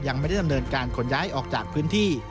ยังไม่ได้ดำเนินการขนย้ายออกจากพื้นที่